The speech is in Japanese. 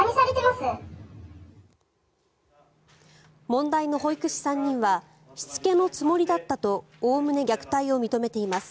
問題の保育士３人はしつけのつもりだったとおおむね虐待を認めています。